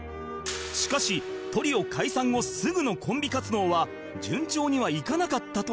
しかしトリオ解散後すぐのコンビ活動は順調にはいかなかったという